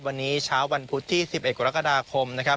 วันนี้เช้าวันพุธที่๑๑กรกฎาคมนะครับ